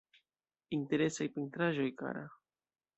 Interesaj pentraĵoj, kara.